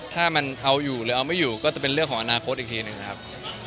ถ้ามันเอาอยู่หรือเอาไม่อยู่ก็จะเป็นเรื่องของอนาคตอีกทีหนึ่งนะครับ